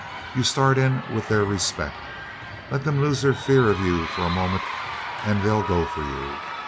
You start in with their respect. Let them lose their fear of you for a moment and they'll go for you.